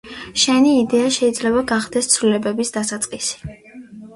შენი იდეა შეიძლება გახდეს ცვლილების დასაწყისი